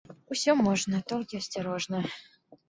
Усё можна, толькі асцярожна.